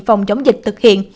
phòng chống dịch thực hiện